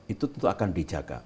itu tentu akan dijaga